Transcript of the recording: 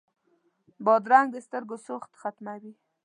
بادرنګ د سترګو سوخت ختموي.